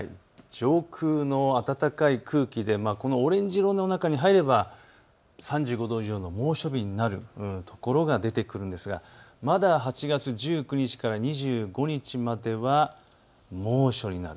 上空の暖かい空気、オレンジ色の中に入れば３５度以上の猛暑日になるようなところが出てくるんですがまだ８月１９日から２５日までは猛暑になる。